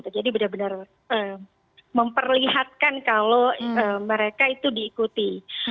jadi benar benar memperlihatkan kalau mereka itu diikuti